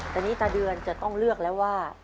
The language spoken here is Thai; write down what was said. ตอนนี้ตาเดือนจะต้องเลือกแล้วว่า